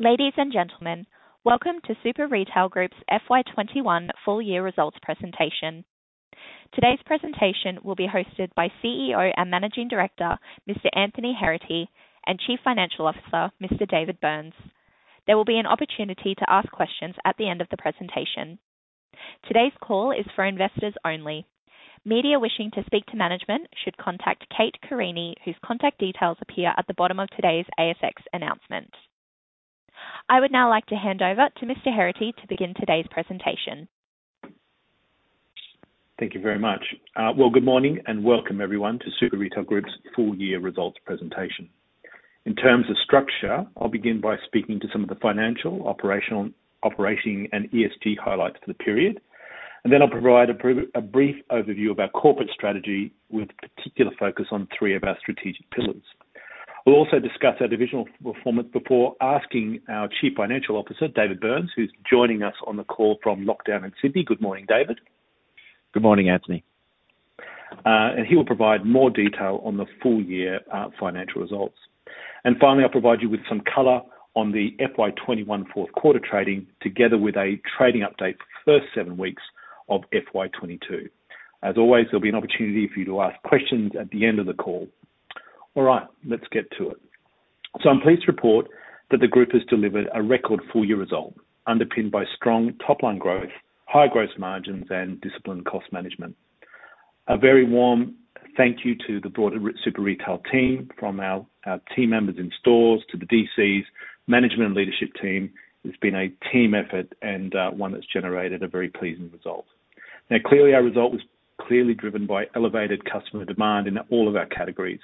Ladies and gentlemen, welcome to Super Retail Group's FY 2021 full year results presentation. Today's presentation will be hosted by CEO and Managing Director, Mr. Anthony Heraghty, and Chief Financial Officer, Mr. David Burns. There will be an opportunity to ask questions at the end of the presentation. Today's call is for investors only. Media wishing to speak to management should contact Kate Carine, whose contact details appear at the bottom of today's ASX announcement. I would now like to hand over to Mr. Heraghty to begin today's presentation. Thank you very much. Well, good morning and welcome everyone to Super Retail Group's full year results presentation. In terms of structure, I'll begin by speaking to some of the financial, operational, operating, and ESG highlights for the period. Then I'll provide a brief overview of our corporate strategy with particular focus on three of our strategic pillars. We'll also discuss our divisional performance before asking our Chief Financial Officer, David Burns, who's joining us on the call from lockdown in Sydney. Good morning, David. Good morning, Anthony. He will provide more detail on the full year financial results. Finally, I'll provide you with some color on the FY 2021 fourth quarter trading, together with a trading update for the first seven weeks of FY 2022. As always, there'll be an opportunity for you to ask questions at the end of the call. All right, let's get to it. I'm pleased to report that the group has delivered a record full year result, underpinned by strong top-line growth, high gross margins, and disciplined cost management. A very warm thank you to the broader Super Retail team, from our team members in stores to the DCs, management leadership team. It's been a team effort and one that's generated a very pleasing result. Clearly our result was clearly driven by elevated customer demand in all of our categories.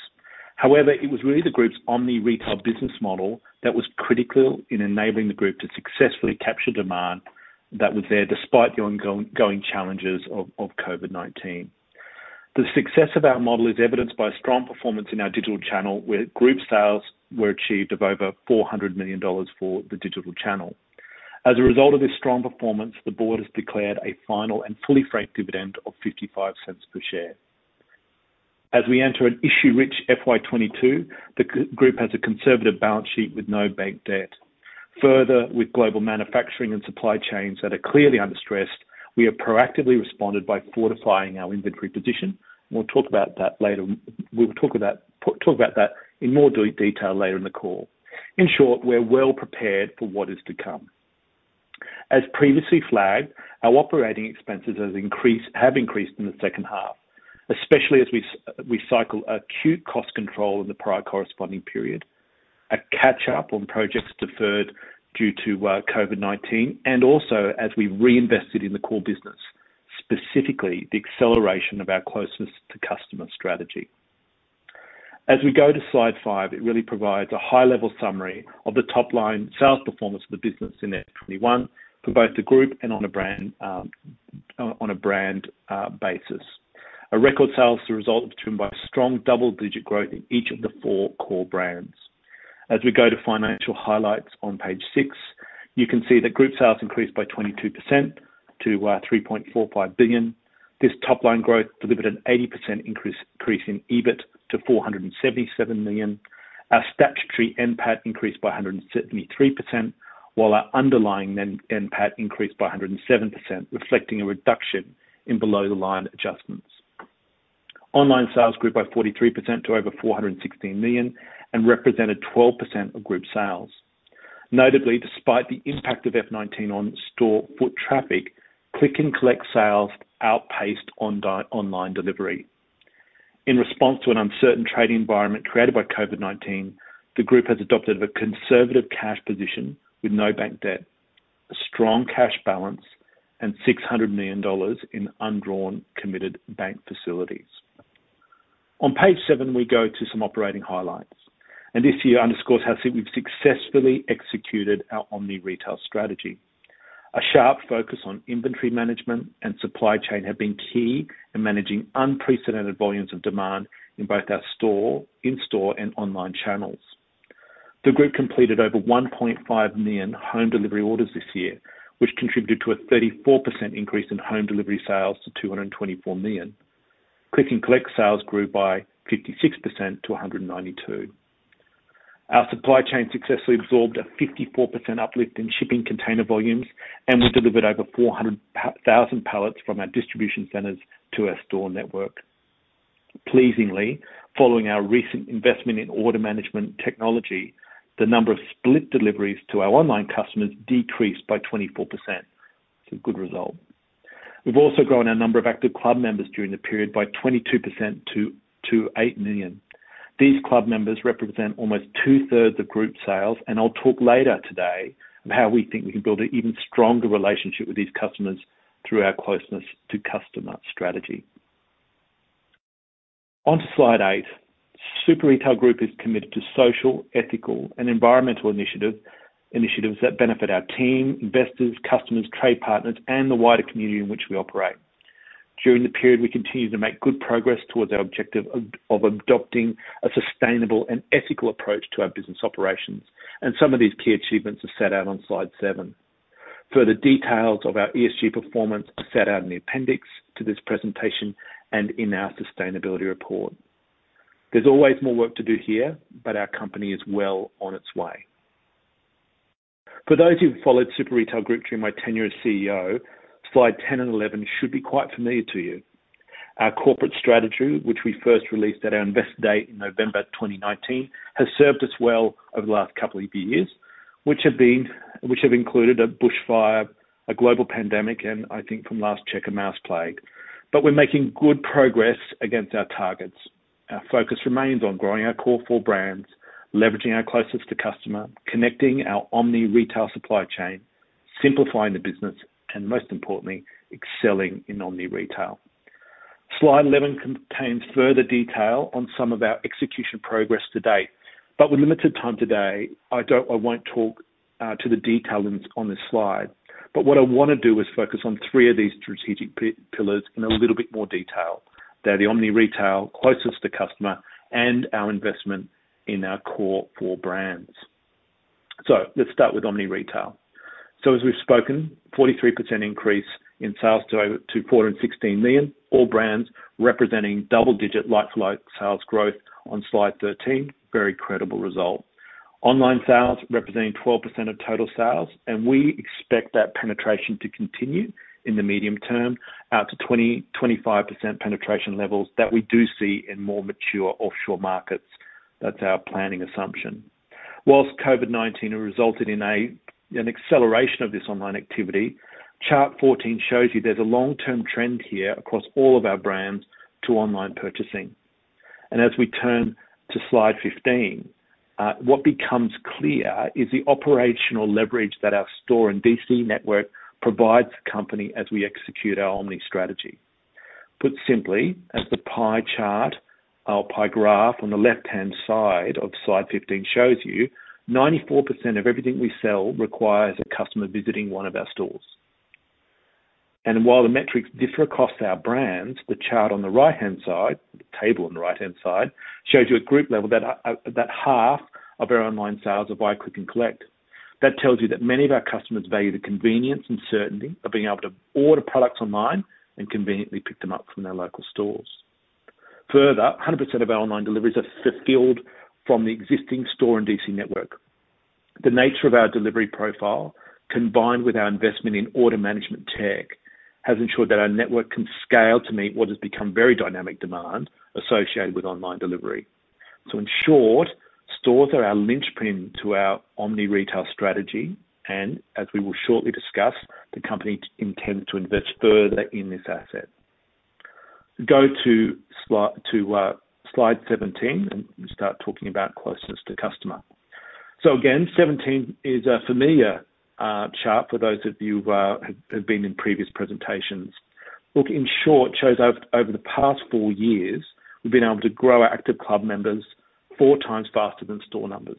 However, it was really the group's omni-retail business model that was critical in enabling the group to successfully capture demand that was there despite the ongoing challenges of COVID-19. The success of our model is evidenced by strong performance in our digital channel, where group sales were achieved of over 400 million dollars for the digital channel. As a result of this strong performance, the board has declared a final and fully franked dividend of 0.55 per share. As we enter an issue-rich FY 2022, the group has a conservative balance sheet with no bank debt. Further, with global manufacturing and supply chains that are clearly under stress, we have proactively responded by fortifying our inventory position. We'll talk about that in more detail later in the call. In short, we're well prepared for what is to come. As previously flagged, our operating expenses have increased in the second half, especially as we cycle acute cost control in the prior corresponding period, a catch-up on projects deferred due to COVID-19, and also as we reinvested in the core business, specifically the acceleration of our closeness to customer strategy. We go to Slide 5; it really provides a high-level summary of the top-line sales performance of the business in FY 2021 for both the group and on a brand basis. A record sales result driven by strong double-digit growth in each of the four core brands. We go to financial highlights on Page 6; you can see that group sales increased by 22% to 3.45 billion. This top-line growth delivered an 80% increase in EBIT to 477 million. Our statutory NPAT increased by 173%, while our underlying NPAT increased by 107%, reflecting a reduction in below-the-line adjustments. Online sales grew by 43% to over 416 million and represented 12% of Group sales. Notably, despite the impact of FY 2019 on store foot traffic, click and collect sales outpaced online delivery. In response to an uncertain trading environment created by COVID-19, the Group has adopted a conservative cash position with no bank debt, a strong cash balance, and 600 million dollars in undrawn committed bank facilities. On Page 7, we go to some operating highlights, and this here underscores how we've successfully executed our omni-retail strategy. A sharp focus on inventory management and supply chain have been key in managing unprecedented volumes of demand in both our in-store and online channels. The Group completed over 1.5 million home delivery orders this year, which contributed to a 34% increase in home delivery sales to 224 million. Click and collect sales grew by 56% to 192 million. Our supply chain successfully absorbed a 54% uplift in shipping container volumes and we delivered over 400,000 pallets from our distribution centers to our store network. Pleasingly, following our recent investment in order management technology, the number of split deliveries to our online customers decreased by 24%. It's a good result. We've also grown our number of active club members during the period by 22% to 8 million. These club members represent almost two-thirds of group sales, and I'll talk later today on how we think we can build an even stronger relationship with these customers through our closeness to customer strategy. On to Slide 8. Super Retail Group is committed to social, ethical, and environmental initiatives that benefit our team, investors, customers, trade partners, and the wider community in which we operate. During the period, we continued to make good progress towards our objective of adopting a sustainable and ethical approach to our business operations, and some of these key achievements are set out on Slide 7. Further details of our ESG performance are set out in the appendix to this presentation and in our sustainability report. There's always more work to do here, but our company is well on its way. For those who've followed Super Retail Group during my tenure as CEO. Slide 10 and Slide 11 should be quite familiar to you. Our corporate strategy, which we first released at our investor day in November 2019, has served us well over the last couple of years, which have included a bush fire, a global pandemic, and I think from last check, a mouse plague. We're making good progress against our targets. Our focus remains on growing our core four brands, leveraging our closest to customer, connecting our omni-retail supply chain, simplifying the business, and most importantly, excelling in omni-retail. Slide 11 contains further detail on some of our execution progress to date. With limited time today, I won't talk to the detail on this slide. What I want to do is focus on three of these strategic pillars in a little bit more detail. They're the omni-retail, closest to customer, and our investment in our core four brands. Let's start with omni-retail. As we've spoken, 43% increase in sales to over 416 million, all brands representing double-digit like-for-like sales growth on Slide 13, very credible result. Online sales representing 12% of total sales, we expect that penetration to continue in the medium term out to 20%-25% penetration levels that we do see in more mature offshore markets. That's our planning assumption. Whilst COVID-19 resulted in an acceleration of this online activity. Chart 14 shows you there's a long-term trend here across all of our brands to online purchasing. As we turn to Slide 15, what becomes clear is the operational leverage that our store and DC network provides the company as we execute our omni strategy. Put simply, as the pie chart, our pie graph on the left-hand side of Slide 15 shows you, 94% of everything we sell requires a customer visiting one of our stores. While the metrics differ across our brands, the chart on the right-hand side, the table on the right-hand side, shows you at group level that half of our online sales are by click and collect. That tells you that many of our customers value the convenience and certainty of being able to order products online and conveniently pick them up from their local stores. Further, 100% of our online deliveries are fulfilled from the existing store and DC network. The nature of our delivery profile, combined with our investment in order management tech, has ensured that our network can scale to meet what has become very dynamic demand associated with online delivery. In short, stores are our linchpin to our omni-retail strategy, and as we will shortly discuss, the company intends to invest further in this asset. Go to Slide 17 and start talking about closeness to customer. Again, 17 is a familiar chart for those of you who have been in previous presentations. Look, in short, shows over the past four years, we've been able to grow our active club members four times faster than store numbers.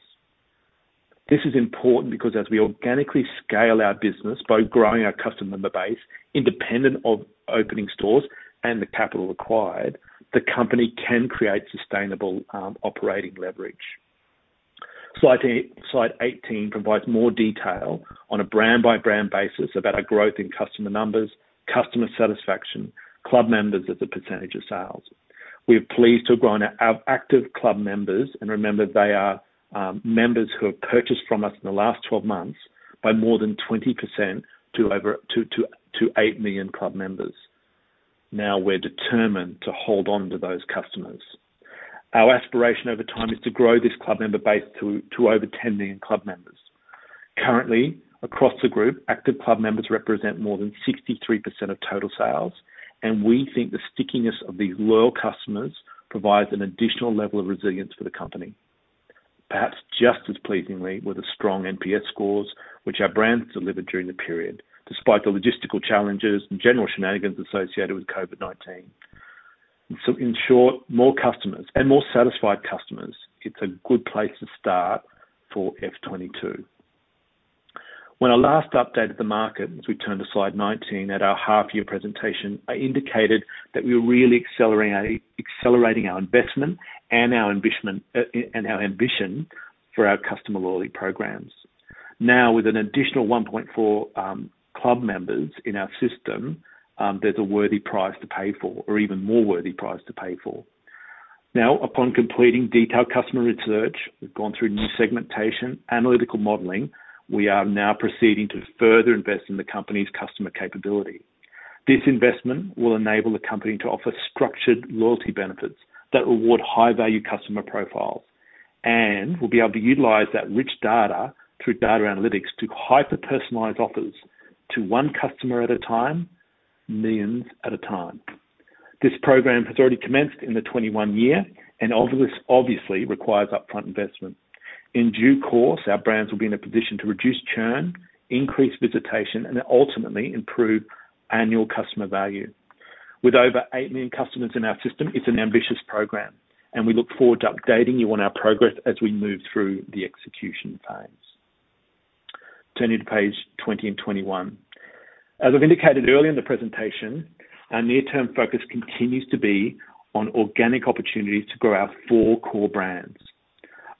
This is important because as we organically scale our business by growing our customer number base independent of opening stores and the capital required, the company can create sustainable operating leverage. Slide 18 provides more detail on a brand-by-brand basis about our growth in customer numbers, customer satisfaction, club members as a percentage of sales. We're pleased to have grown our active club members, and remember, they are members who have purchased from us in the last 12 months, by more than 20% to over 8 million club members. Now we're determined to hold on to those customers. Our aspiration over time is to grow this club member base to over 10 million club members. Currently, across the group, active club members represent more than 63% of total sales, and we think the stickiness of these loyal customers provides an additional level of resilience for the company. Perhaps just as pleasingly were the strong NPS scores which our brands delivered during the period, despite the logistical challenges and general shenanigans associated with COVID-19. In short, more customers and more satisfied customers. It's a good place to start for FY 2022. When I last updated the market, as we turn to Slide 19, at our half-year presentation, I indicated that we were really accelerating our investment and our ambition for our customer loyalty programs. Now, with an additional 1.4 club members in our system, there's even more worthy price to pay for. Now, upon completing detailed customer research, we've gone through new segmentation, analytical modeling. We are now proceeding to further invest in the company's customer capability. This investment will enable the company to offer structured loyalty benefits that reward high-value customer profiles, and we'll be able to utilize that rich data through data analytics to hyper-personalize offers to one customer at a time, millions at a time. This program has already commenced in the 2021 year and obviously requires upfront investment. In due course, our brands will be in a position to reduce churn, increase visitation, and ultimately improve annual customer value. With over 8 million customers in our system, it's an ambitious program, and we look forward to updating you on our progress as we move through the execution phase. Turning to Page 20 and Page 21. As I've indicated earlier in the presentation, our near-term focus continues to be on organic opportunities to grow our four core brands.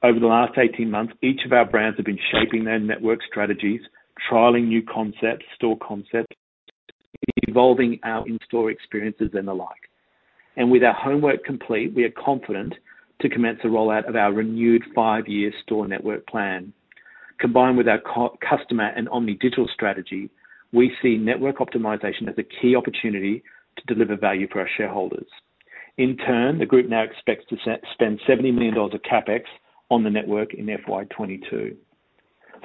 Over the last 18 months, each of our brands have been shaping their network strategies, trialing new concepts, store concepts, evolving our in-store experiences and the like. With our homework complete, we are confident to commence the rollout of our renewed five-year store network plan. Combined with our customer and omni-digital strategy, we see network optimization as a key opportunity to deliver value for our shareholders. In turn, the group now expects to spend AUD 70 million of CapEx on the network in FY 2022.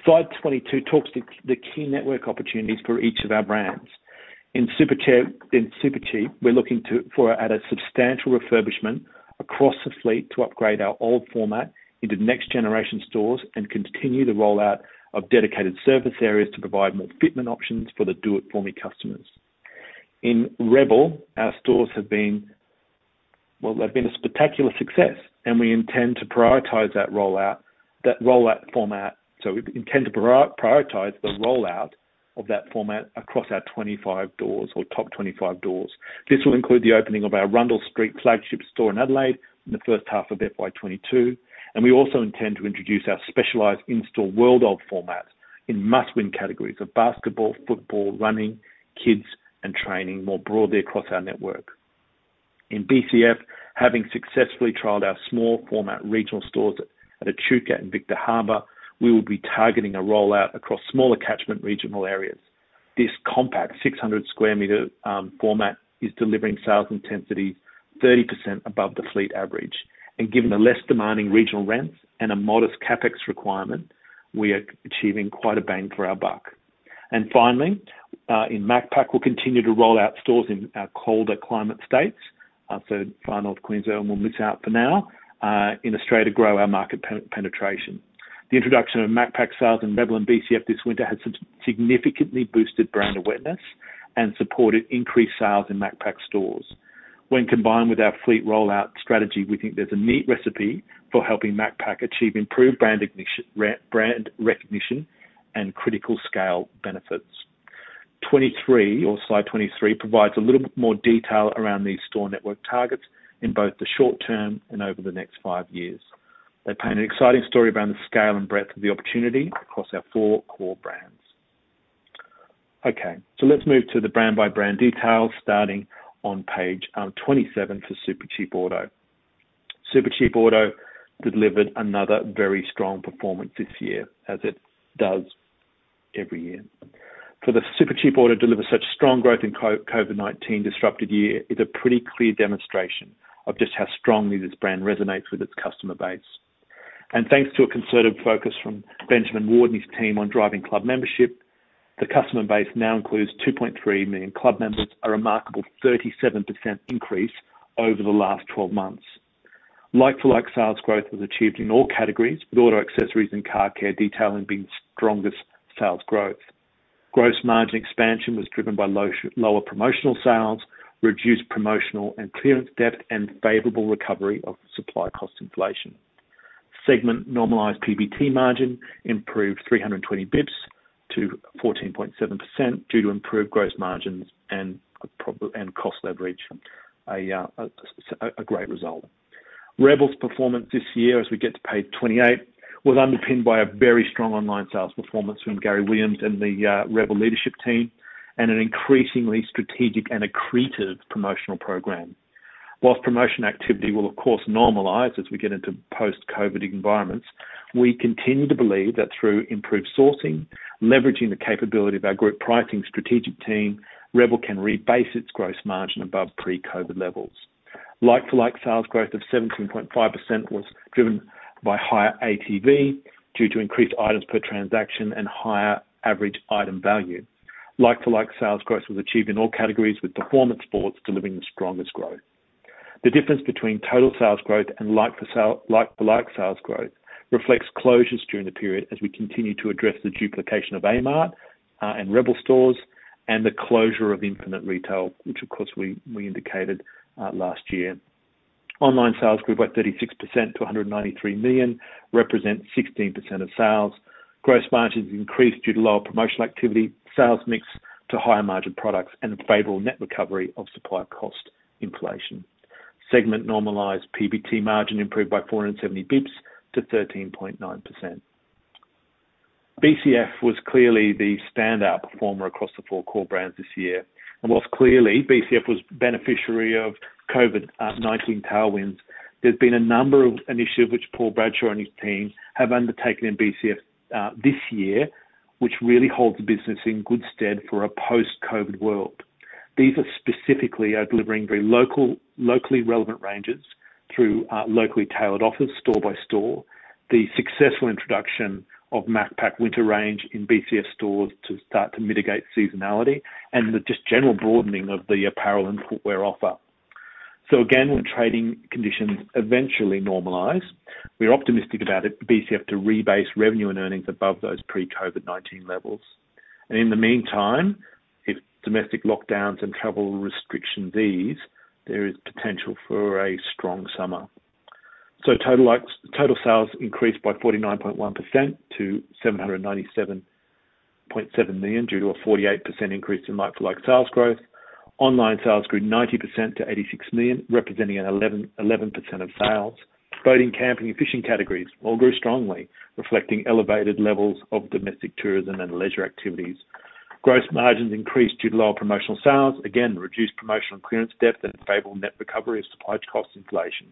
Slide 22 talks to the key network opportunities for each of our brands. In Supercheap, we're looking for at a substantial refurbishment across the fleet to upgrade our old format into next-generation stores and continue the rollout of dedicated service areas to provide more fitment options for the do-it-for-me customers. In Rebel, our stores have been, well, they've been a spectacular success, and we intend to prioritize the rollout of that format across our 25 doors or top 25 doors. This will include the opening of our Rundle Street flagship store in Adelaide in the first half of FY 2022, and we also intend to introduce our specialized in-store world of formats in must-win categories of basketball, football, running, kids, and training more broadly across our network. In BCF, having successfully trialed our small format regional stores at Echuca and Victor Harbor, we will be targeting a rollout across smaller catchment regional areas. This compact 600 sq m format is delivering sales intensity 30% above the fleet average. Given the less demanding regional rents and a modest CapEx requirement, we are achieving quite a bang for our buck. Finally, in Macpac, we'll continue to roll out stores in our colder climate states. Far North Queensland will miss out for now, in Australia, grow our market penetration. The introduction of Macpac sales in Rebel and BCF this winter has significantly boosted brand awareness and supported increased sales in Macpac stores. When combined with our fleet rollout strategy, we think there's a neat recipe for helping Macpac achieve improved brand recognition, and critical scale benefits. Slide 23 provides a little bit more detail around these store network targets in both the short term and over the next five years. They paint an exciting story around the scale and breadth of the opportunity across our four core brands. Okay. Let's move to the brand-by-brand detail, starting on Page 27 for Supercheap Auto. Supercheap Auto delivered another very strong performance this year, as it does every year. For the Supercheap Auto to deliver such strong growth in COVID-19 disrupted year is a pretty clear demonstration of just how strongly this brand resonates with its customer base. Thanks to a concerted focus from Benjamin Ward and his team on driving club membership, the customer base now includes 2.3 million club members, a remarkable 37% increase over the last 12 months. Like-for-like sales growth was achieved in all categories, with auto accessories and car care detailing being strongest sales growth. Gross margin expansion was driven by lower promotional sales, reduced promotional and clearance debt, and favorable recovery of supply cost inflation. Segment normalized PBT margin improved 320 basis points to 14.7% due to improved gross margins and cost leverage. A great result. Rebel's performance this year, as we get to Page 28, was underpinned by a very strong online sales performance from Gary Williams and the Rebel leadership team, and an increasingly strategic and accretive promotional program. Promotion activity will, of course, normalize as we get into post-COVID-19 environments, we continue to believe that through improved sourcing, leveraging the capability of our group pricing strategic team, Rebel can rebase its gross margin above pre-COVID-19 levels. Like-for-like sales growth of 17.5% was driven by higher ATV due to increased items per transaction and higher average item value. Like-for-like sales growth was achieved in all categories, with performance sports delivering the strongest growth. The difference between total sales growth and like-for-like sales growth reflects closures during the period as we continue to address the duplication of Amart and Rebel stores, and the closure of Infinite Retail, which of course we indicated last year. Online sales grew by 36% to 193 million, represent 16% of sales. Gross margins increased due to lower promotional activity, sales mix to higher-margin products, and the favorable net recovery of supply cost inflation. Segment normalized PBT margin improved by 470 basis points to 13.9%. BCF was clearly the standout performer across the four core brands this year. Whilst clearly BCF was beneficiary of COVID-19 tailwinds, there has been a number of initiatives which Paul Bradshaw and his team have undertaken in BCF this year, which really holds the business in good stead for a post-COVID world. These are specifically delivering very locally relevant ranges through locally tailored store by store, the successful introduction of Macpac winter range in BCF stores to start to mitigate seasonality, and the just general broadening of the apparel and footwear offer. Again, when trading conditions eventually normalize, we're optimistic about BCF to rebase revenue and earnings above those pre-COVID-19 levels. In the meantime, if domestic lockdowns and travel restriction ease, there is potential for a strong summer. Total sales increased by 49.1% to 797.7 million, due to a 48% increase in like-for-like sales growth. Online sales grew 90% to 86 million, representing an 11% of sales. Boating, camping, and fishing categories all grew strongly, reflecting elevated levels of domestic tourism and leisure activities. Gross margins increased due to lower promotional sales, again, reduced promotional clearance debt and favorable net recovery of supply cost inflation.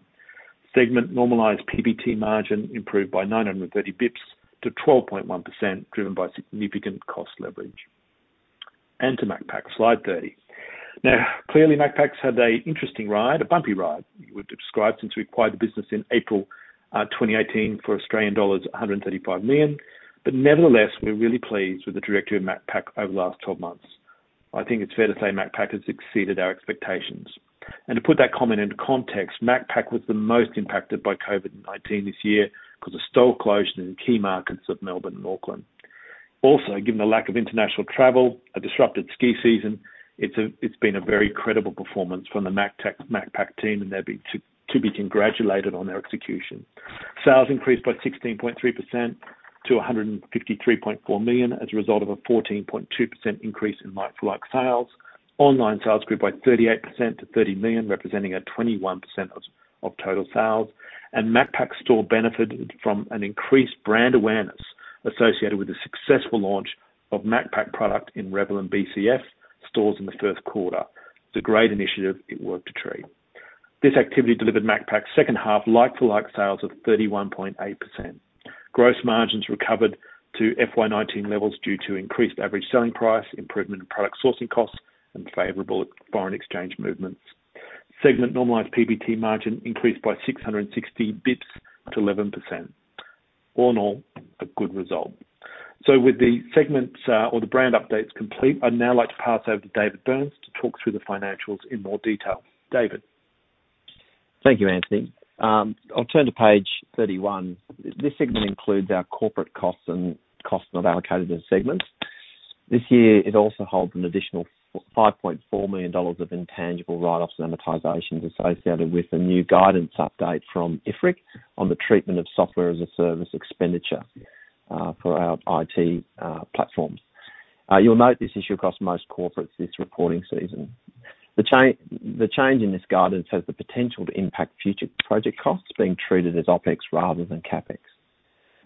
Segment normalized PBT margin improved by 930 basis points to 12.1%, driven by significant cost leverage. To Macpac, Slide 30. Clearly Macpac's had a interesting ride, a bumpy ride, you would describe, since we acquired the business in April 2018 for Australian dollars 135 million. Nevertheless, we're really pleased with the trajectory of Macpac over the last 12 months. I think it's fair to say Macpac has exceeded our expectations. To put that comment into context, Macpac was the most impacted by COVID-19 this year because of store closures in key markets of Melbourne and Auckland. Also, given the lack of international travel, a disrupted ski season, it's been a very credible performance from the Macpac team, and they're to be congratulated on their execution. Sales increased by 16.3% to 153.4 million as a result of a 14.2% increase in like-for-like sales. Online sales grew by 38% to 30 million, representing a 21% of total sales. Macpac store benefited from an increased brand awareness associated with the successful launch of Macpac product in Rebel and BCF stores in the first quarter. It's a great initiative, it worked a treat. This activity delivered Macpac's second half like-for-like sales of 31.8%. Gross margins recovered to FY 2019 levels due to increased average selling price, improvement in product sourcing costs, and favorable foreign exchange movements. Segment normalized PBT margin increased by 660 basis points to 11%. All in all, a good result. With the segments or the brand updates complete, I'd now like to pass over to David Burns to talk through the financials in more detail. David. Thank you, Anthony. I'll turn to Page 31. This segment includes our corporate costs and costs not allocated in segments. This year, it also holds an additional 5.4 million dollars of intangible write-offs and amortizations associated with a new guidance update from IFRIC on the treatment of software as a service expenditure for our IT platforms. You'll note this issue across most corporates this reporting season. The change in this guidance has the potential to impact future project costs being treated as OpEx rather than CapEx.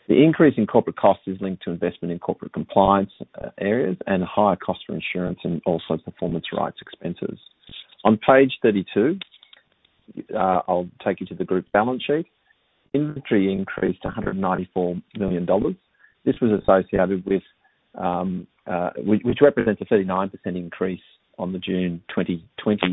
The increase in corporate cost is linked to investment in corporate compliance areas and higher cost for insurance and also performance rights expenses. On Page 32, I'll take you to the group balance sheet. Inventory increased to 194 million dollars. This was associated with-- which represents a 39% increase on the June 2020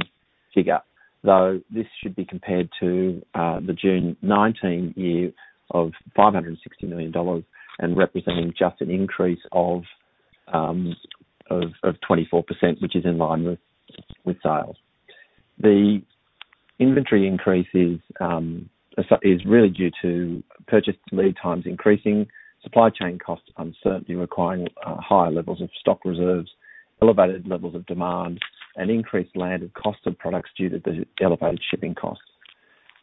figure, though this should be compared to the June 2019 year of 560 million dollars and representing just an increase of 24%, which is in line with sales. The inventory increase is really due to purchase lead times increasing, supply chain cost uncertainty requiring higher levels of stock reserves, elevated levels of demand, and increased landed cost of products due to the elevated shipping costs.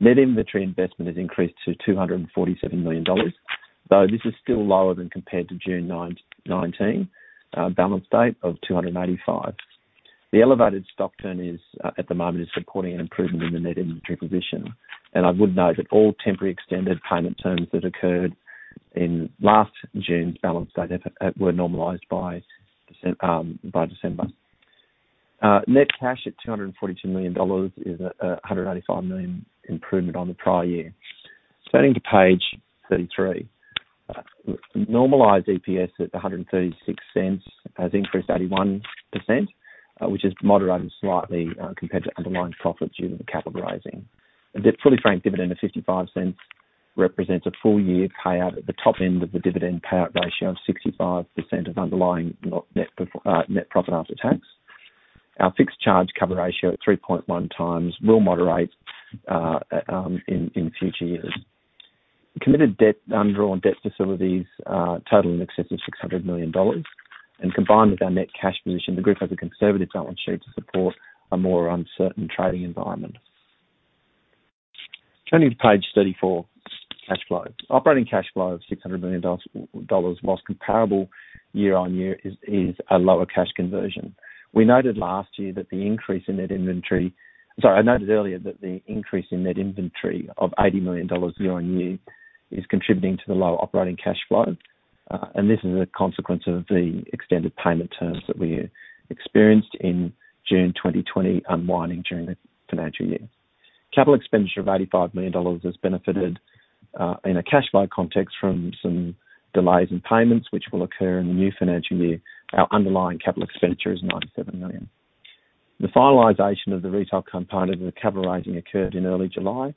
Net inventory investment has increased to 247 million dollars, though this is still lower than compared to June 2019 balance date of 295. The elevated stock turn is, at the moment, is supporting an improvement in the net inventory position. I would note that all temporary extended payment terms that occurred in last June's balance date were normalized by December. Net cash at 242 million dollars is a 195 million improvement on the prior year. Turning to Page 33. Normalized EPS at 1.36 has increased 81%, which has moderated slightly compared to underlying profits due to the capital raising. The fully franked dividend of 0.55 represents a full-year payout at the top end of the dividend payout ratio of 65% of underlying net profit after tax. Our fixed charge cover ratio at 3.1 times will moderate in future years. Committed debt, undrawn debt facilities total in excess of 600 million dollars. Combined with our net cash position, the group has a conservative balance sheet to support a more uncertain trading environment. Turning to Page 34, cash flow. Operating cash flow of 600 million dollars whilst comparable year on year is a lower cash conversion. We noted last year that the increase in net inventory— I mean, I noted earlier that the increase in net inventory of AUD 80 million year on year is contributing to the lower operating cash flow. This is a consequence of the extended payment terms that we experienced in June 2020 unwinding during the financial year. Capital expenditure of AUD 85 million has benefited in a cash flow context from some delays in payments, which will occur in the new financial year. Our underlying capital expenditure is 97 million. The finalization of the retail component of the capital raising occurred in early July,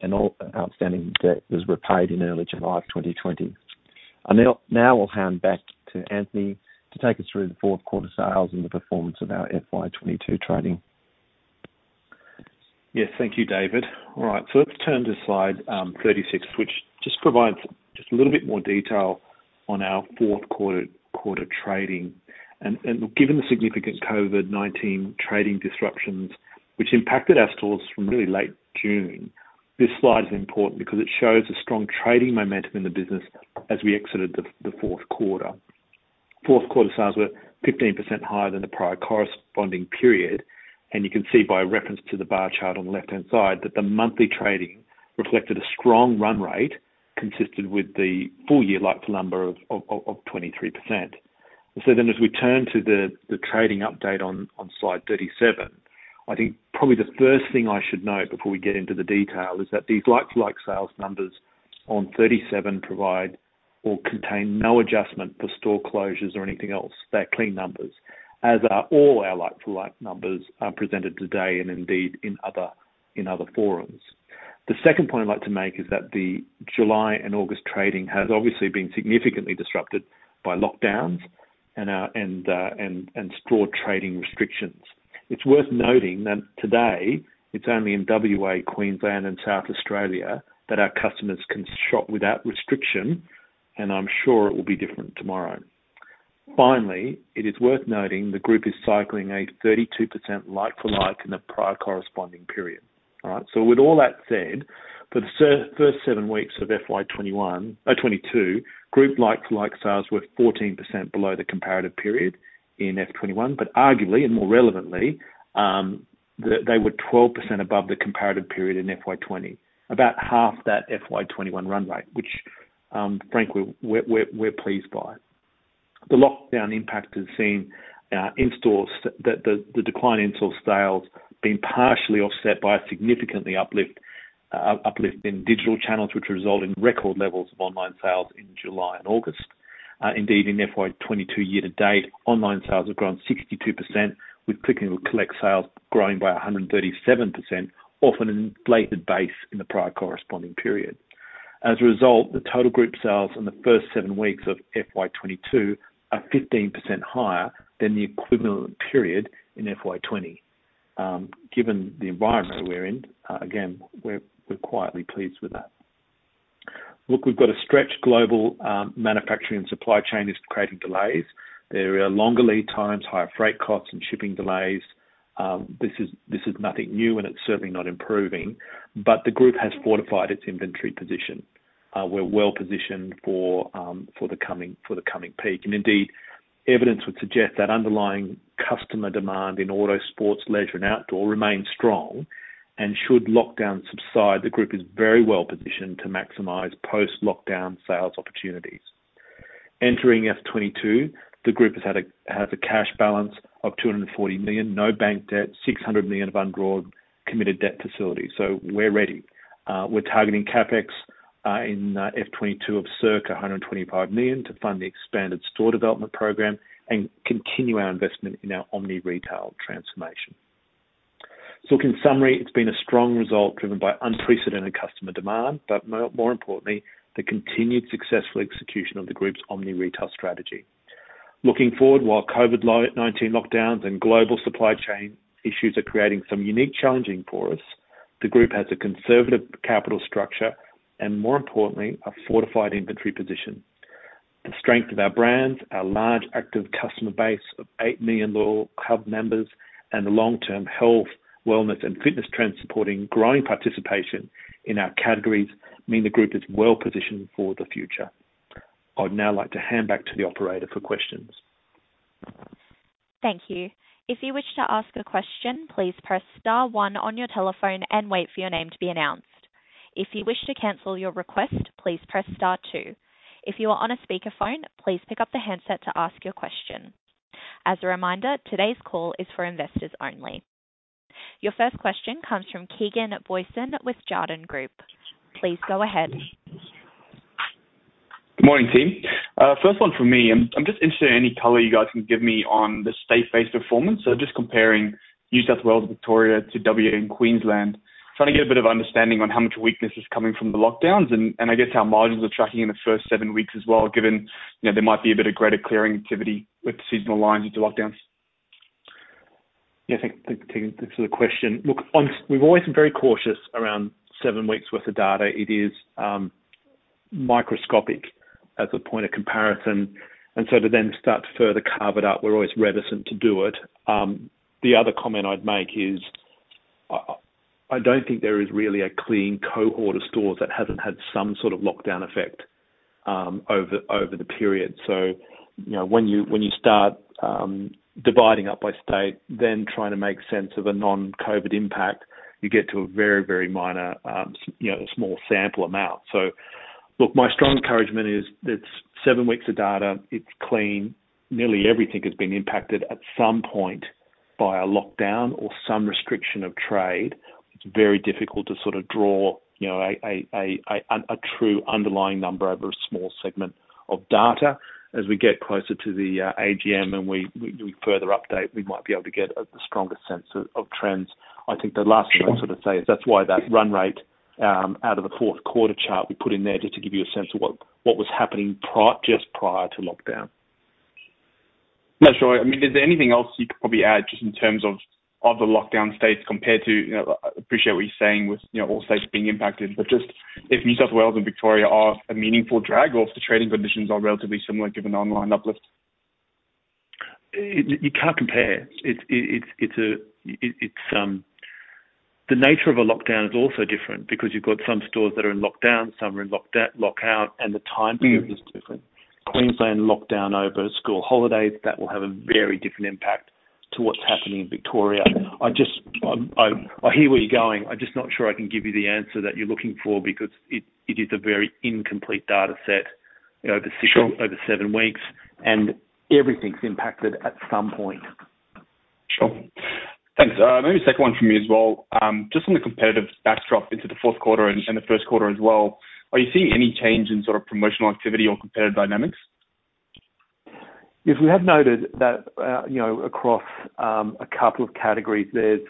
and all outstanding debt was repaid in early July of 2020. Now I'll hand back to Anthony to take us through the fourth quarter sales and the performance of our FY 2022 trading. Yes. Thank you, David. All right. Let's turn to Slide 36, which just provides just a little bit more detail on our fourth quarter trading. Given the significant COVID-19 trading disruptions, which impacted our stores from really late June, this slide is important because it shows the strong trading momentum in the business as we exited the fourth quarter. Fourth quarter sales were 15% higher than the prior corresponding period, and you can see by reference to the bar chart on the left-hand side that the monthly trading reflected a strong run rate consistent with the full-year like-to-like number of 23%. As we turn to the trading update on Slide 37, I think probably the first thing I should note before we get into the detail is that these like-to-like sales numbers on 37 provide or contain no adjustment for store closures or anything else. They're clean numbers, as are all our like-to-like numbers are presented today and indeed in other forums. The second point I'd like to make is that the July and August trading has obviously been significantly disrupted by lockdowns and store trading restrictions. It is worth noting that today it is only in WA, Queensland and South Australia that our customers can shop without restriction, and I am sure it will be different tomorrow. It is worth noting the group is cycling a 32% like-for-like in the prior corresponding period. All right? With all that said, for the first seven weeks of FY 2022, group like-to-like sales were 14% below the comparative period in FY 2021. Arguably and more relevantly, they were 12% above the comparative period in FY 2020, about half that FY 2021 run rate, which frankly, we are pleased by. The lockdown impact has seen the decline in store sales being partially offset by a significantly uplift in digital channels, which result in record levels of online sales in July and August. Indeed, in FY 2022 year to date, online sales have grown 62%, with click and collect sales growing by 137%, off an inflated base in the prior corresponding period. As a result, the total group sales in the first seven weeks of FY 2022 are 15% higher than the equivalent period in FY 2020. Given the environment that we're in, again, we're quietly pleased with that. Look, we've got a stretched global manufacturing supply chain is creating delays. There are longer lead times, higher freight costs and shipping delays. This is nothing new and it's certainly not improving. The group has fortified its inventory position. We're well positioned for the coming peak and indeed, evidence would suggest that underlying customer demand in auto sports, leisure and outdoor remains strong and should lockdown subside, the group is very well positioned to maximize post-lockdown sales opportunities. Entering FY 2022, the group has had a cash balance of 240 million, no bank debt, 600 million of undrawn committed debt facilities. We're ready. We're targeting CapEx in FY 2022 of circa 125 million to fund the expanded store development program and continue our investment in our omni retail transformation. Look, in summary, it's been a strong result driven by unprecedented customer demand, more importantly, the continued successful execution of the group's omni retail strategy. Looking forward, while COVID-19 lockdowns and global supply chain issues are creating some unique challenging for us, the group has a conservative capital structure and more importantly, a fortified inventory position. The strength of our brands, our large active customer base of 8 million loyal hub members and the long-term health, wellness and fitness trends supporting growing participation in our categories mean the group is well positioned for the future. I'd now like to hand back to the operator for questions. As a reminder, today's call is for investors only. Your first question comes from Keegan Booysen with Jarden Group. Please go ahead. Good morning, team. First one from me. I'm just interested in any color you guys can give me on the state-based performance, just comparing New South Wales, Victoria to WA and Queensland, trying to get a bit of understanding on how much weakness is coming from the lockdowns and I guess how margins are tracking in the first seven weeks as well, given there might be a bit of greater clearing activity with seasonal lines into lockdowns. Yeah, thanks for the question. Look, we've always been very cautious around seven weeks worth of data. It is microscopic as a point of comparison, and so to then start to further carve it up, we're always reticent to do it. The other comment I'd make is, I don't think there is really a clean cohort of stores that hasn't had some sort of lockdown effect over the period. When you start dividing up by state, then trying to make sense of a non-COVID impact, you get to a very, very minor small sample amount. Look, my strong encouragement is it's seven weeks of data. It's clean. Nearly everything has been impacted at some point by a lockdown or some restriction of trade. It's very difficult to sort of draw a true underlying number over a small segment of data. As we get closer to the AGM and we further update, we might be able to get a stronger sense of trends. I think the last thing I'd sort of say is that's why that run rate out of the fourth quarter chart we put in there just to give you a sense of what was happening just prior to lockdown. No, sure. I mean, is there anything else you'd probably add just in terms of the lockdown states? I appreciate what you're saying with all states being impacted, but just if New South Wales and Victoria are a meaningful drag or if the trading conditions are relatively similar given the online uplift? You can't compare. The nature of a lockdown is also different because you've got some stores that are in lockdown, some are in lockout. The timing is different. Queensland locked down over school holidays, that will have a very different impact to what's happening in Victoria. I hear where you're going. I'm just not sure I can give you the answer that you're looking for because it is a very incomplete data set. Sure seven weeks, and everything's impacted at some point. Sure. Thanks. Maybe a second one from me as well. Just on the competitive backdrop into the fourth quarter and the first quarter as well, are you seeing any change in promotional activity or competitive dynamics? Yes, we have noted that, across a couple of categories, there's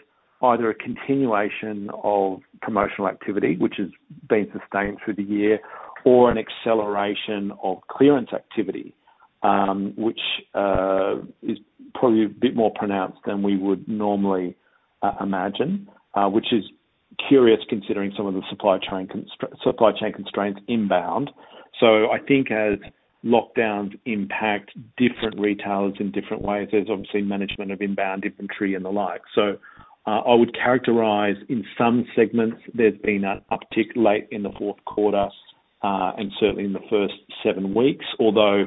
either a continuation of promotional activity, which has been sustained through the year, or an acceleration of clearance activity, which is probably a bit more pronounced than we would normally imagine. Which is curious considering some of the supply chain constraints inbound. I think as lockdowns impact different retailers in different ways, there's obviously management of inbound inventory and the like. I would characterize in some segments, there's been an uptick late in the fourth quarter, and certainly in the first seven weeks, although,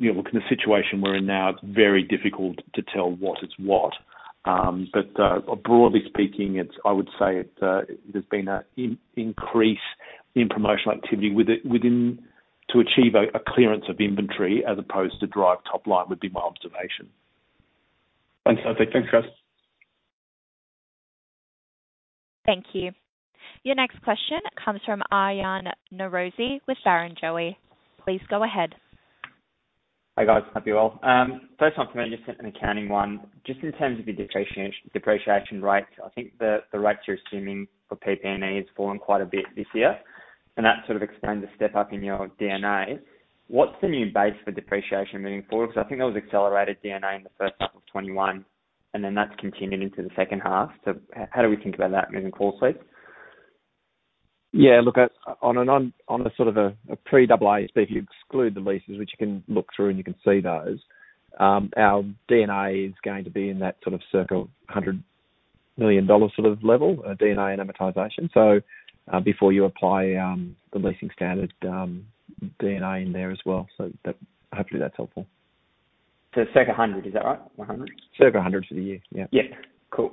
look, in the situation we're in now, it's very difficult to tell what is what. Broadly speaking, I would say there's been an increase in promotional activity to achieve a clearance of inventory as opposed to drive top line, would be my observation. That's perfect. Thanks, Chris. Thank you. Your next question comes from Aryan Norozi with Barrenjoey. Please go ahead. Hi, guys. Hope you're well. First one from me, just an accounting one. Just in terms of your depreciation rates, I think the rates you're assuming for PP&E has fallen quite a bit this year, and that sort of explains the step-up in your D&A. What's the new base for depreciation moving forward? I think that was accelerated D&A in the first half of 2021, and then that's continued into the second half. How do we think about that moving forward, please? Yeah. Look, on a sort of a pre-AASB 16, if you exclude the leases, which you can look through and you can see those, our D&A is going to be in that sort of circle, 100 million dollar sort of level, D&A and amortization. Before you apply the leasing standard D&A in there as well. Hopefully that's helpful. Circa 100, is that right? 100? Circa 100 for the year, yeah. Yeah. Cool.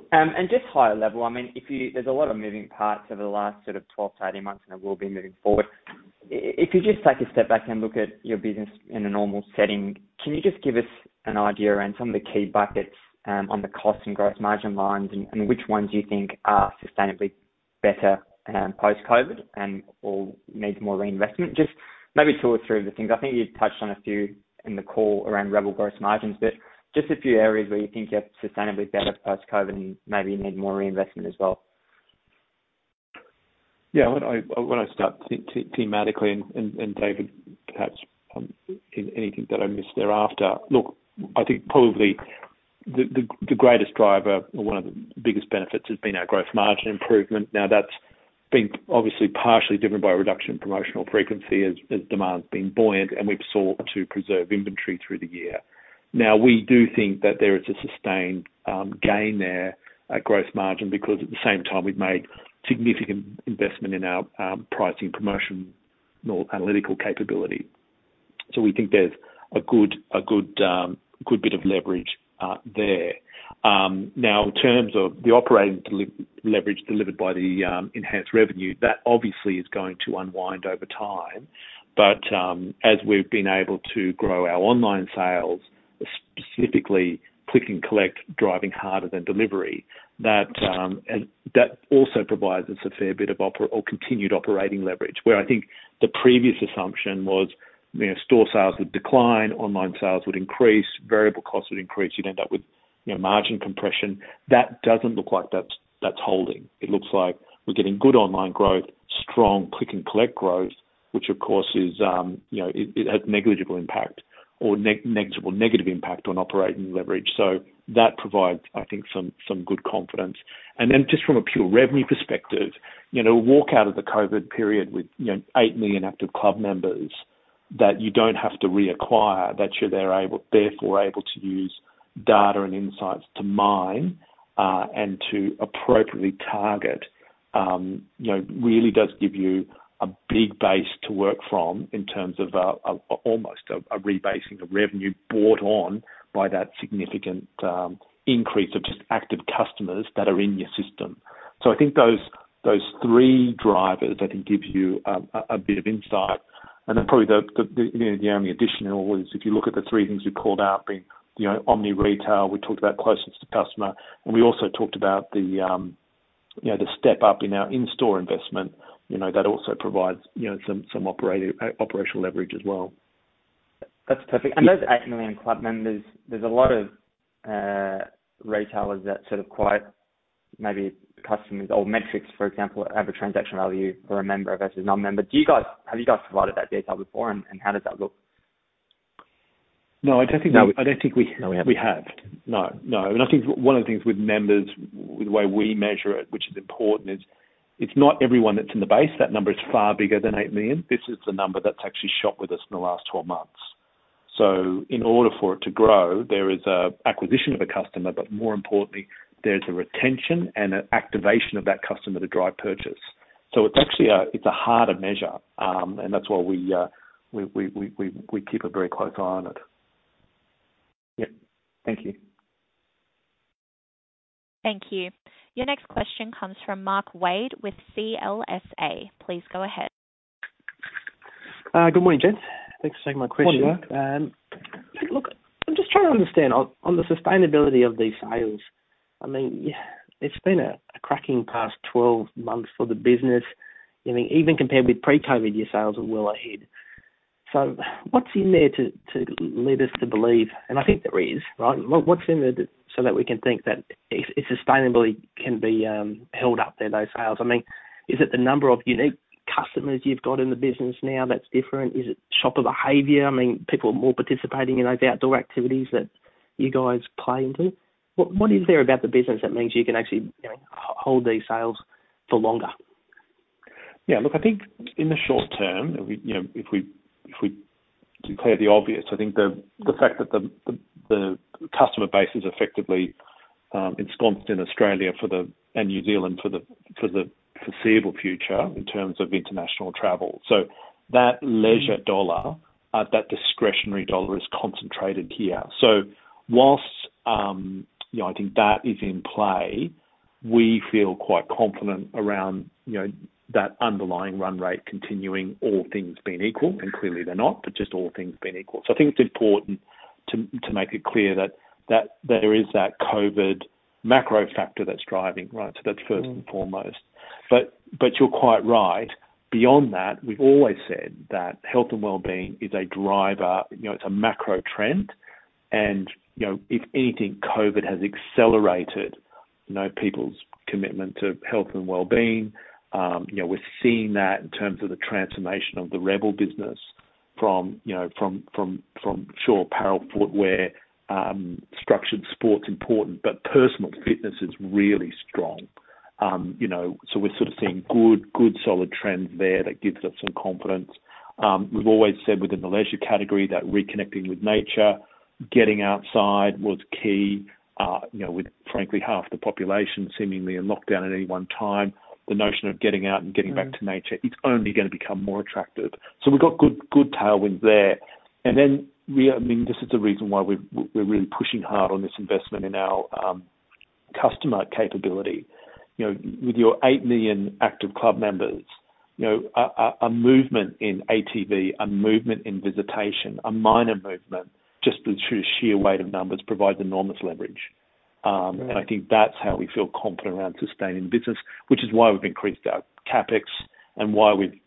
Just higher level, there's a lot of moving parts over the last sort of 12-18 months and there will be moving forward. If you just take a step back and look at your business in a normal setting, can you just give us an idea around some of the key buckets on the cost and gross margin lines and which ones you think are sustainably better post-COVID and/or needs more reinvestment? Just maybe two or three of the things. I think you'd touched on a few in the call around Rebel gross margins, but just a few areas where you think you have sustainably better post-COVID and maybe need more reinvestment as well. Why don't I start thematically and, David, perhaps, in anything that I miss thereafter. I think probably the greatest driver or one of the biggest benefits has been our gross margin improvement. That's been obviously partially driven by a reduction in promotional frequency as demand's been buoyant and we've sought to preserve inventory through the year. We do think that there is a sustained gain there at gross margin because at the same time we've made significant investment in our pricing promotional analytical capability. We think there's a good bit of leverage there. In terms of the operating leverage delivered by the enhanced revenue, that obviously is going to unwind over time. As we've been able to grow our online sales, specifically click-and-collect driving harder than delivery, that also provides us a fair bit of continued operating leverage, where I think the previous assumption was store sales would decline, online sales would increase, variable costs would increase. You'd end up with margin compression. That doesn't look like that's holding. It looks like we're getting good online growth, strong click-and-collect growth, which of course has negligible impact or negative impact on operating leverage. That provides, I think, some good confidence. Just from a pure revenue perspective, walk out of the COVID-19 period with 8 million active club members that you don't have to reacquire, that you're therefore able to use data and insights to mine, and to appropriately target, really does give you a big base to work from in terms of almost a rebasing of revenue brought on by that significant increase of just active customers that are in your system. I think those three drivers, I think, give you a bit of insight. Probably the only additional is if you look at the three things we called out, being omni-retail, we talked about closeness to customer, and we also talked about the step-up in our in-store investment. That also provides some operational leverage as well. That's perfect. Those 8 million club members, there's a lot of retailers that sort of quantify maybe customers or metrics, for example, average transaction value for a member versus non-member. Have you guys provided that data before? How does that look? No, I don't think we have. No. I think one of the things with members, the way we measure it, which is important is, it's not everyone that's in the base. That number is far bigger than 8 million. This is the number that's actually shopped with us in the last 12 months. In order for it to grow, there is a acquisition of a customer, but more importantly, there's a retention and an activation of that customer to drive purchase. It's actually a harder measure, and that's why we keep a very close eye on it. Yep. Thank you. Thank you. Your next question comes from Mark Wade with CLSA. Please go ahead. Good morning, gents. Thanks for taking my question. Morning, Mark. Look, I'm just trying to understand on the sustainability of these sales. It's been a cracking past 12 months for the business. Even compared with pre-COVID-19, your sales are well ahead. What's in there to lead us to believe, and I think there is, right? What's in there so that we can think that it sustainably can be held up there, those sales? Is it the number of unique customers you've got in the business now that's different? Is it shopper behavior? People are more participating in those outdoor activities that you guys play into. What is there about the business that means you can actually hold these sales for longer? Yeah, look, I think in the short term, if we declare the obvious, I think the fact that the customer base is effectively ensconced in Australia and New Zealand for the foreseeable future in terms of international travel. That leisure dollar, that discretionary dollar is concentrated here. Whilst I think that is in play, we feel quite confident around that underlying run rate continuing, all things being equal, and clearly, they're not, but just all things being equal. I think it's important to make it clear that there is that COVID macro factor that's driving, right? That's first and foremost. You're quite right. Beyond that, we've always said that health and wellbeing is a driver. It's a macro trend, and if anything, COVID has accelerated people's commitment to health and wellbeing. We're seeing that in terms of the transformation of the Rebel business from sure apparel, footwear, structured sport's important, but personal fitness is really strong. We're seeing good solid trends there that gives us some confidence. We've always said within the leisure category that reconnecting with nature, getting outside was key. With frankly, half the population seemingly in lockdown at any one time, the notion of getting out and getting back to nature, it's only going to become more attractive. We've got good tailwinds there. This is the reason why we're really pushing hard on this investment in our customer capability. With your 8 million active club members, a movement in ATV, a movement in visitation, a minor movement, just through sheer weight of numbers provides enormous leverage. Right. I think that's how we feel confident around sustaining the business, which is why we've increased our CapEx and why we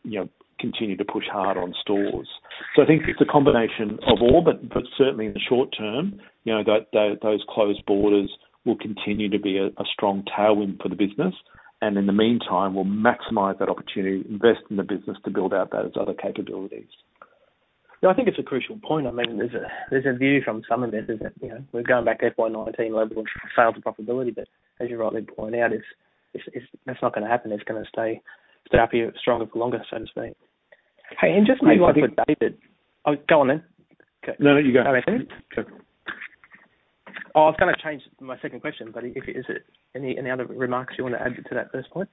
continue to push hard on stores. I think it's a combination of all, but certainly in the short term, those closed borders will continue to be a strong tailwind for the business, and in the meantime, we'll maximize that opportunity, invest in the business to build out those other capabilities. No, I think it's a crucial point. There's a view from some investors that we're going back to FY 2019 level of sales and profitability, but as you rightly point out, that's not going to happen. It's going to stay up here stronger for longer, so to speak. No. Oh, go on then. Okay. No, you go. No, that's it. Okay. Oh, I was going to change my second question, but is there any other remarks you want to add to that first point?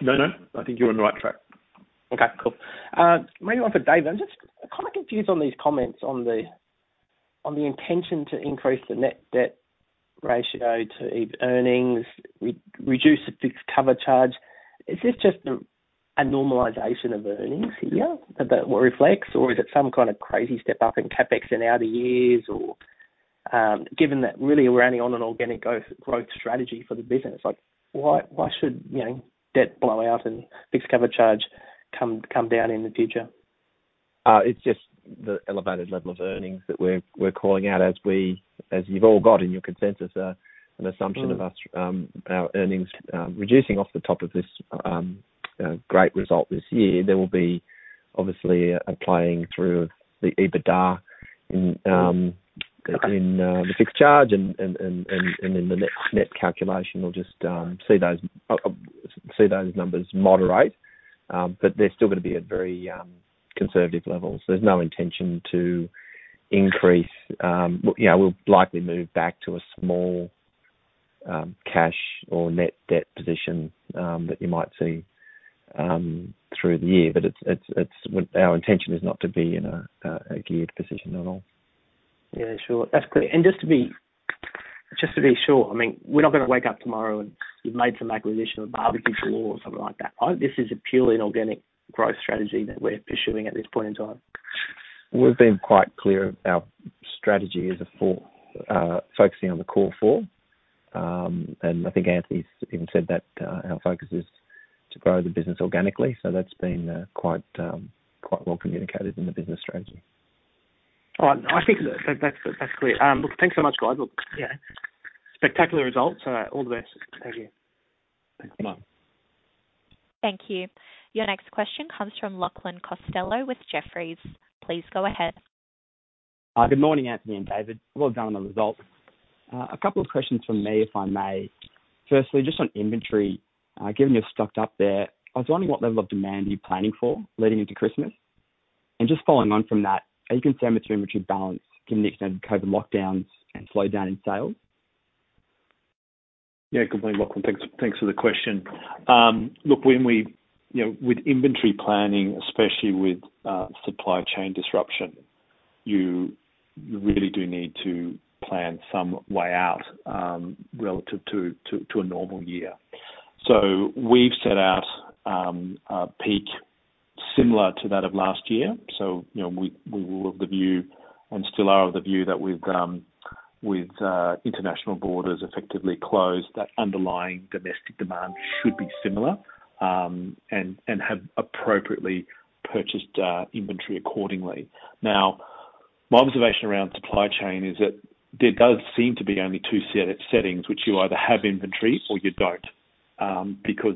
No. I think you're on the right track. Okay. Cool. Moving on for David, I'm just kind of confused on these comments on the intention to increase the net debt ratio to earnings, reduce the fixed cover charge. Is this just a normalization of earnings here that reflects, or is it some kind of crazy step up in CapEx in outer years? Given that really we're only on an organic growth strategy for the business, why should debt blow out and fixed cover charge come down in the future? It's just the elevated level of earnings that we're calling out as you've all got in your consensus, an assumption of our earnings reducing off the top of this great result this year. There will be obviously a playing through of the EBITDA. Okay The fixed charge and in the net calculation. We'll just see those numbers moderate. They're still going to be at very conservative levels. There's no intention to increase. We'll likely move back to a small cash or net debt position that you might see through the year. Our intention is not to be in a geared position at all. Yeah, sure. That's clear. Just to be sure, we're not going to wake up tomorrow and you've made some acquisition of Barbeques Galore or something like that. This is a purely an organic growth strategy that we're pursuing at this point in time. We've been quite clear our strategy is focusing on the core four. I think Anthony's even said that our focus is to grow the business organically. That's been quite well communicated in the business strategy. I think that's clear. Look, thanks so much, guys. Look, yeah, spectacular results. All the best. Thank you. Thanks so much. Thank you. Your next question comes from Lachlan Costello with Jefferies. Please go ahead. Hi. Good morning, Anthony and David. Well done on the results. A couple of questions from me, if I may. Firstly, just on inventory, given you're stocked up there, I was wondering what level of demand you're planning for leading into Christmas. Just following on from that, are you concerned with too much imbalance given the extent of COVID-19 lockdowns and slowdown in sales? Yeah, good morning, Lachlan. Thanks for the question. With inventory planning, especially with supply chain disruption, you really do need to plan some way out relative to a normal year. We've set out a peak similar to that of last year. We were of the view and still are of the view that with international borders effectively closed, that underlying domestic demand should be similar, and have appropriately purchased inventory accordingly. My observation around supply chain is that there does seem to be only two set of settings, which you either have inventory, or you don't.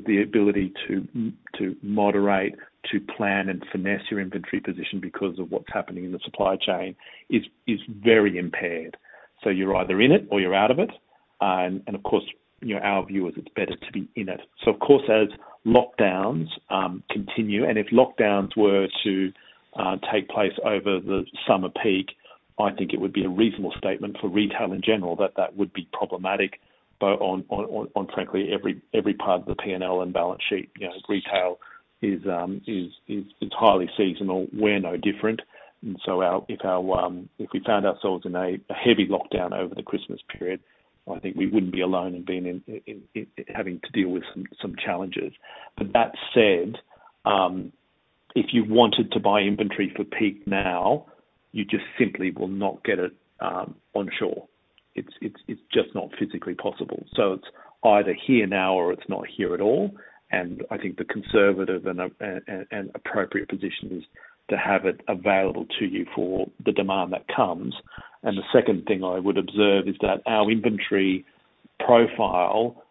The ability to moderate, to plan, and finesse your inventory position because of what's happening in the supply chain is very impaired. You're either in it or you're out of it. Of course, our view is it's better to be in it. Of course as lockdowns continue, and if lockdowns were to take place over the summer peak, I think it would be a reasonable statement for retail in general that that would be problematic, both on frankly every part of the P&L and balance sheet. Retail is entirely seasonal. We're no different. If we found ourselves in a heavy lockdown over the Christmas period, I think we wouldn't be alone in having to deal with some challenges. That said, if you wanted to buy inventory for peak now, you just simply will not get it onshore. It's just not physically possible. It's either here now or it's not here at all. I think the conservative and appropriate position is to have it available to you for the demand that comes. The second thing I would observe is that our inventory profile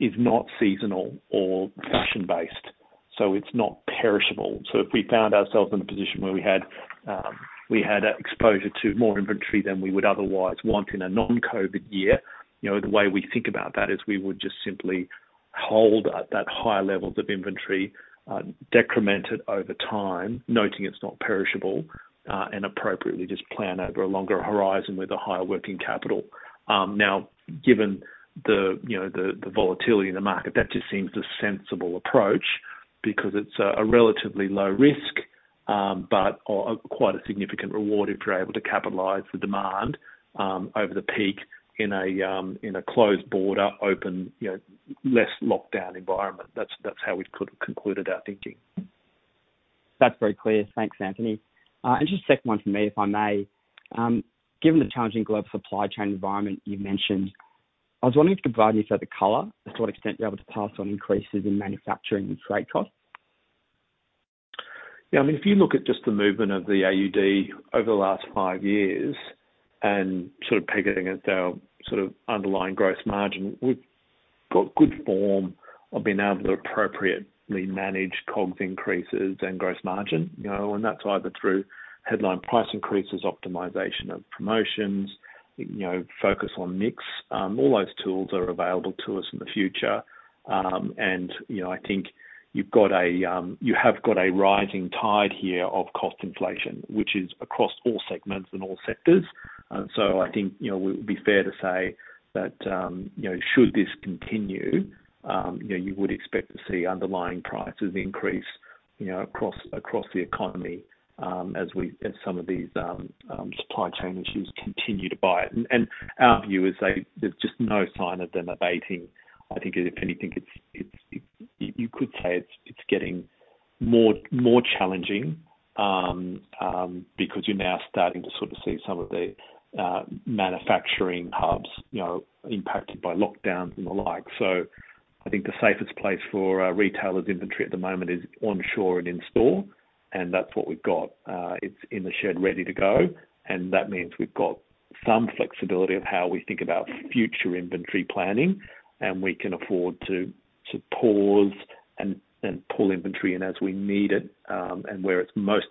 is not seasonal or fashion-based. It's not perishable. If we found ourselves in a position where we had exposure to more inventory than we would otherwise want in a non-COVID year, the way we think about that is we would just simply hold at that higher levels of inventory, decrement it over time, noting it's not perishable, and appropriately just plan over a longer horizon with a higher working capital. Given the volatility in the market, that just seems the sensible approach because it's a relatively low risk, but quite a significant reward if you're able to capitalize the demand over the peak in a closed border, open, less lockdown environment. That's how we've concluded our thinking. That's very clear. Thanks, Anthony. Just a second one from me, if I may. Given the challenging global supply chain environment you mentioned, I was wondering if you could provide me further color as to what extent you're able to pass on increases in manufacturing and freight costs. Yeah, I mean, if you look at just the movement of the AUD over the last five years and pegging it down underlying gross margin, we've got good form of being able to appropriately manage COGS increases and gross margin. That's either through headline price increases, optimization of promotions, focus on mix. All those tools are available to us in the future. I think you have got a rising tide here of cost inflation, which is across all segments and all sectors. I think it would be fair to say that should this continue, you would expect to see underlying prices increase across the economy as some of these supply chain issues continue to bite. Our view is there's just no sign of them abating. I think if anything, you could say it's getting more challenging, because you're now starting to see some of the manufacturing hubs impacted by lockdowns and the like. I think the safest place for retailers' inventory at the moment is onshore and in store, and that's what we've got. It's in the shed ready to go, and that means we've got some flexibility of how we think about future inventory planning, and we can afford to pause and pull inventory in as we need it, and where it's most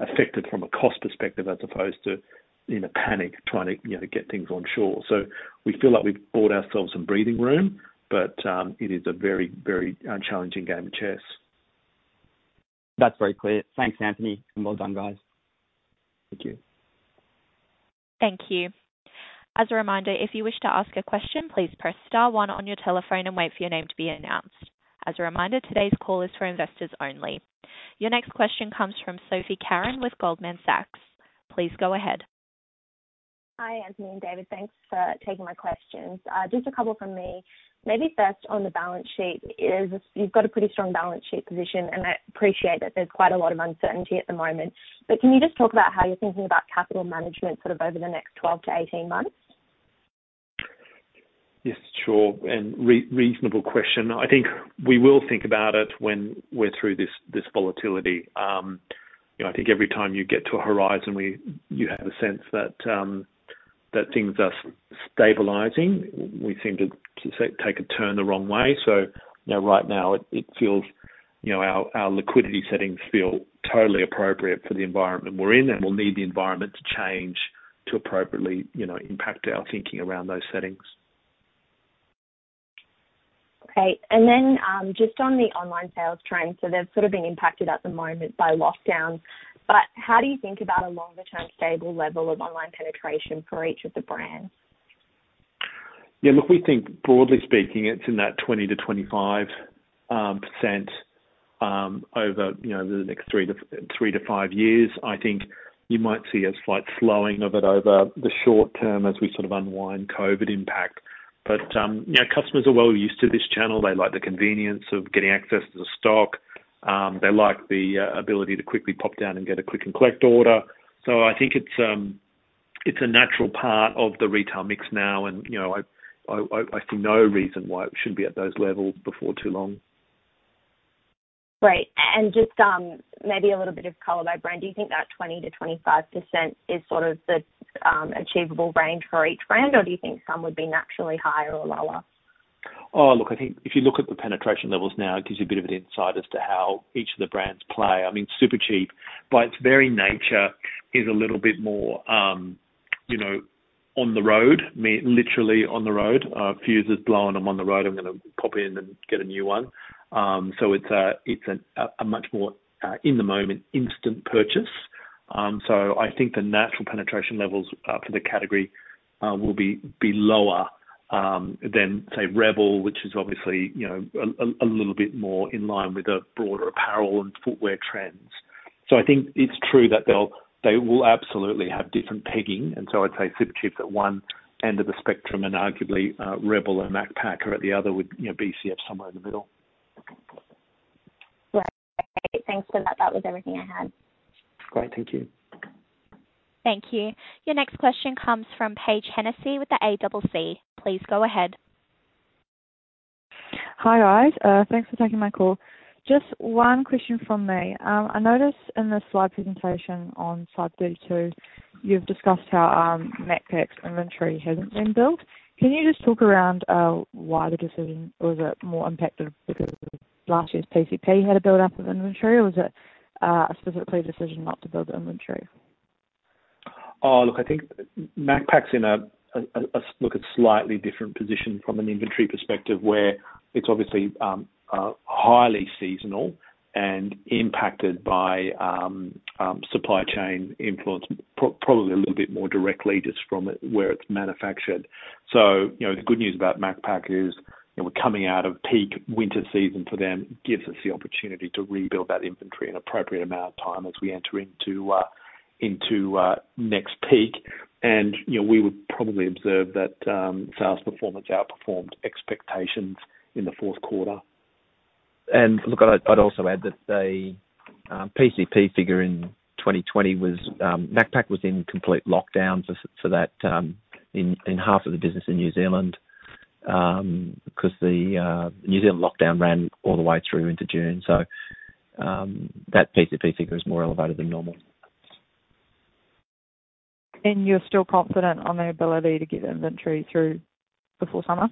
affected from a cost perspective, as opposed to in a panic trying to get things onshore. We feel like we've bought ourselves some breathing room, but it is a very challenging game of chess. That's very clear. Thanks, Anthony, and well done, guys. Thank you. Thank you. As a reminder, if you wish to ask a question, please press star 1 on your telephone and wait for your name to be announced. As a reminder, today's call is for investors only. Your next question comes from Sophie Kern with Goldman Sachs. Please go ahead. Hi, Anthony and David. Thanks for taking my questions. Just a couple from me. First on the balance sheet is you've got a pretty strong balance sheet position, and I appreciate that there's quite a lot of uncertainty at the moment. Can you just talk about how you're thinking about capital management over the next 12-18 months? Yes, sure. Reasonable question. I think we will think about it when we're through this volatility. I think every time you get to a horizon; you have a sense that things are stabilizing. We seem to take a turn the wrong way. Right now, our liquidity settings feel totally appropriate for the environment we're in, and we'll need the environment to change to appropriately impact our thinking around those settings. Okay. Just on the online sales trend. They've sort of been impacted at the moment by lockdown. How do you think about a longer-term stable level of online penetration for each of the brands? Look, we think broadly speaking, it's in that 20%-25% over the next three to five years. I think you might see a slight slowing of it over the short term as we unwind COVID-19 impact. Customers are well used to this channel. They like the convenience of getting access to the stock. They like the ability to quickly pop down and get a click and collect order. I think it's a natural part of the retail mix now, and I see no reason why it shouldn't be at those levels before too long. Great. Just maybe a little bit of color by brand. Do you think that 20%-25% is sort of the achievable range for each brand, or do you think some would be naturally higher or lower? Oh, look, I think if you look at the penetration levels now, it gives you a bit of an insight as to how each of the brand's play. Supercheap, by its very nature, is a little bit more on the road, literally on the road. A fuse is blown, I'm on the road, I'm going to pop in and get a new one. It's a much more in-the-moment, instant purchase. I think the natural penetration levels for the category will be lower than, say, Rebel, which is obviously a little bit more in line with the broader apparel and footwear trends. I think it's true that they will absolutely have different pegging. I'd say Supercheap at one end of the spectrum and arguably Rebel and Macpac at the other, with BCF somewhere in the middle. Okay. Great. Thanks for that. That was everything I had. Great. Thank you. Thank you. Your next question comes from Paige Hennessey with the ACC. Please go ahead. Hi, guys. Thanks for taking my call. Just one question from me. I notice in the slide presentation on Slide 32, you've discussed how Macpac's inventory hasn't been built. Can you just talk around why the decision or was it more impacted because of last year's PCP had a buildup of inventory, or was it a specific decision not to build the inventory? I think Macpac's in a slightly different position from an inventory perspective, where it's obviously highly seasonal and impacted by supply chain influence, probably a little bit more directly just from where it's manufactured. The good news about Macpac is, we're coming out of peak winter season for them. Gives us the opportunity to rebuild that inventory in an appropriate amount of time as we enter into next peak. We would probably observe that sales performance outperformed expectations in the fourth quarter. Look, I'd also add that the PCP figure in 2020 was. Macpac was in complete lockdown for that in half of the business in New Zealand, because the New Zealand lockdown ran all the way through into June. That PCP figure is more elevated than normal. You're still confident on the ability to get inventory through before summer?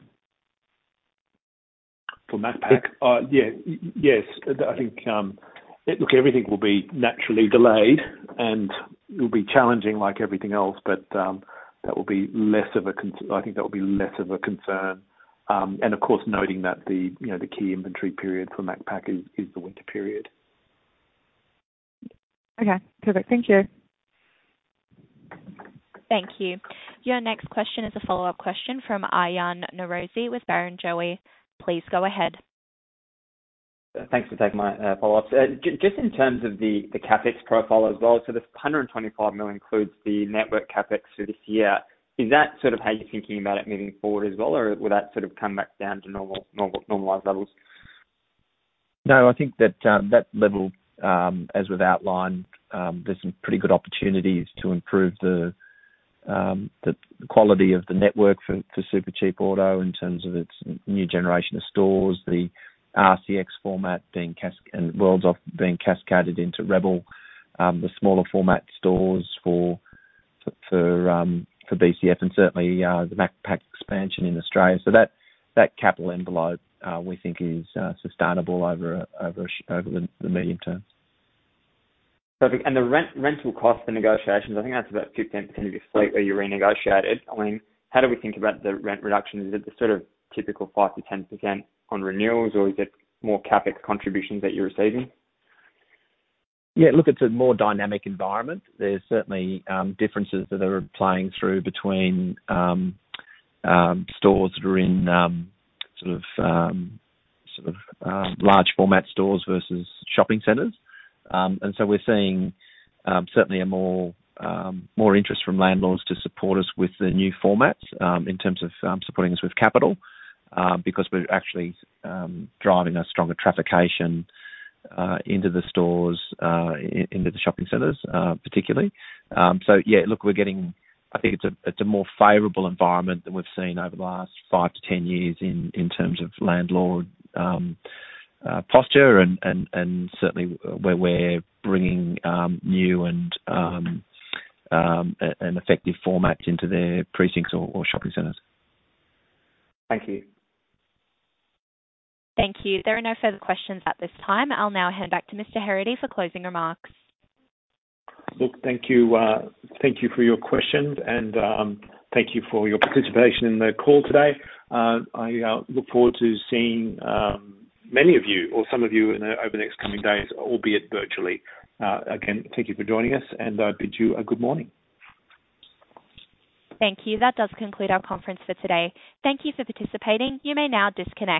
For Macpac? Yeah. Yes. Look, everything will be naturally delayed, and it will be challenging like everything else, but I think that will be less of a concern. Of course, noting that the key inventory period for Macpac is the winter period. Okay, perfect. Thank you. Thank you. Your next question is a follow-up question from Aryan Norozi with Barrenjoey. Please go ahead. Thanks for taking my follow-ups. Just in terms of the CapEx profile as well. The 125 million includes the network CapEx for this year. Is that how you're thinking about it moving forward as well, or will that sort of come back down to normalized levels? No, I think that that level, as we've outlined, there's some pretty good opportunities to improve the quality of the network for Supercheap Auto in terms of its new generation of stores, the rCX format, and World of Running being cascaded into Rebel. The smaller format stores for BCF and certainly the Macpac expansion in Australia. That capital envelope we think is sustainable over the medium term. Perfect. The rental cost, the negotiations, I think that's about 15% of your fleet that you renegotiated. How do we think about the rent reduction? Is it the sort of typical 5%-10% on renewals, or is it more CapEx contributions that you're receiving? Yeah, look, it's a more dynamic environment. There's certainly differences that are playing through between stores that are in large format stores versus shopping centers. We're seeing certainly more interest from landlords to support us with the new formats in terms of supporting us with capital, because we're actually driving a stronger traffic into the stores, into the shopping centers, particularly. Yeah, look, I think it's a more favorable environment than we've seen over the last 5 to 10 years in terms of landlord posture and certainly where we're bringing new and effective formats into their precincts or shopping centers. Thank you. Thank you. There are no further questions at this time. I'll now hand back to Mr. Heraghty for closing remarks. Look, thank you. Thank you for your questions and thank you for your participation in the call today. I look forward to seeing many of you or some of you over the next coming days, albeit virtually. Again, thank you for joining us, and I bid you a good morning. Thank you. That does conclude our conference for today. Thank you for participating. You may now disconnect.